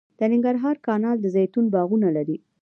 د ننګرهار کانال د زیتون باغونه لري